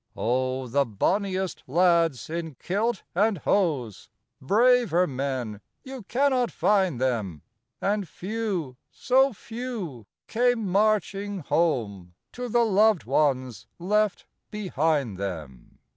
Oh, the bonniest lads in kilt and hose Braver men, you cannot find them And few, so few, came marching home To the loved ones left behind them.